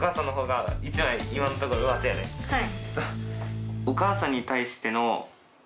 はい。